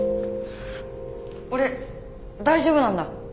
俺大丈夫なんだ。